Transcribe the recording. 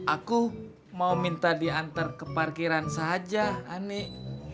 aku mau minta diantar ke parkiran saja anik